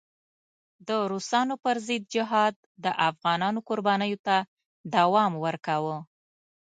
د روسانو پر ضد جهاد د افغانانو قربانیو ته دوام ورکاوه.